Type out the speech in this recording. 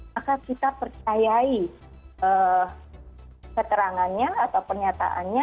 maka kita percayai keterangannya atau pernyataannya